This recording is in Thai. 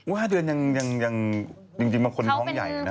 ห้าเดือนยังจริงเป็นคนน้องใหญ่เนอะนะครับ